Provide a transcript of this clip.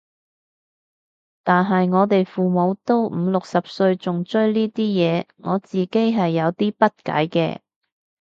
但係我哋父母都五六十歲仲追呢啲嘢，我自己係有啲不解嘅